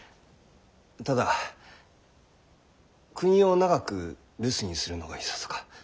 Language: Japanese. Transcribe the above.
ただ国を長く留守にするのがいささか。